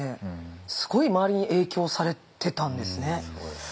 すごい周りに影響されてたんですね。